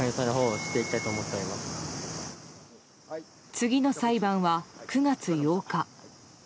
次の裁判は９月８日。